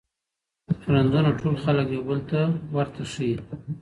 رنځونه ټول خلګ یو بل ته ورته ښیي.